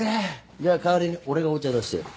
じゃあ代わりに俺がお茶出してやる。